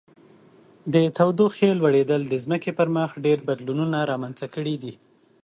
د تودوخې لوړیدل د ځمکې پر مخ ډیر بدلونونه رامنځته کړي دي.